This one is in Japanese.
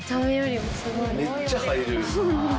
めっちゃ入る。